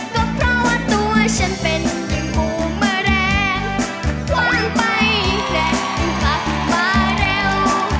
ก็เพราะว่าตัวฉันเป็นยังภูมิแรงว่างไปทุกแห่งกลับมาเร็ว